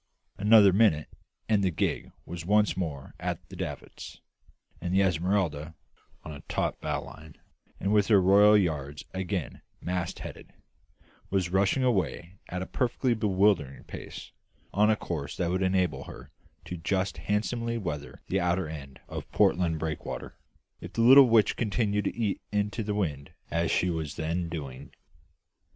Another minute and the gig was once more at the davits; and the Esmeralda, on a taut bowline, and with her royal yards again mast headed, was rushing away at a perfectly bewildering pace, on a course that would enable her to just handsomely weather the outer end of Portland breakwater, if the little witch continued to eat into the wind as she was then doing.